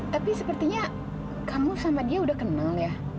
tapi sepertinya kamu sama dia udah kenal ya